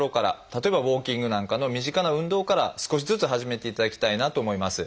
例えばウォーキングなんかの身近な運動から少しずつ始めていただきたいなと思います。